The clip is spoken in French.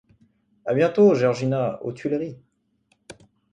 A bientôt, Georgina, aux Tuileries.